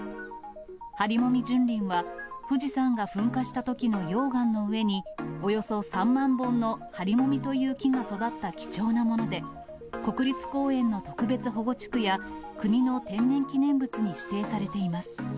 ハリモミ純林は、富士山が噴火したときの溶岩の上に、およそ３万本のハリモミという木が育った貴重なもので、国立公園の特別保護地区や、国の天然記念物に指定されています。